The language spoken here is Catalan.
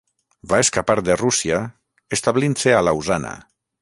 Va escapar de Rússia, establint-se a Lausana.